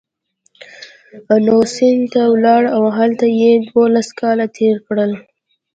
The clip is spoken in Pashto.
نو سند ته ولاړ او هلته یې دوولس کاله تېر کړل.